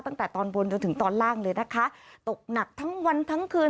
ตั้งแต่ตอนบนจนถึงตอนล่างเลยนะคะตกหนักทั้งวันทั้งคืน